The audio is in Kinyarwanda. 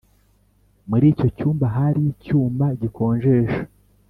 muri icyo cyumba hari icyuma gikonjesha?